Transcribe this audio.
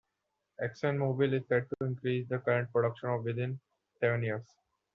ExxonMobil is set to increase the current production of within seven years.